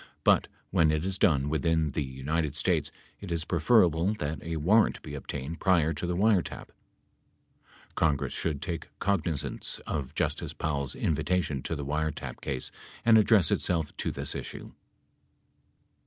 But when it is done within the United States it is preferable that a warrant be obtained prior to the wiretap. Congress should take cognizance of Justice Powell's invitation in the wiretap case and address itself to this issue.